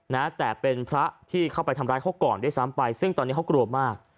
นะแต่เป็นพระที่เข้าไปทำร้ายเขาก่อนด้วยซ้ำไปซึ่งตอนนี้เขากลัวมาก